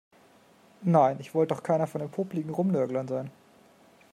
Nein, ich wollte doch keiner von den popeligen Rumnörglern sein.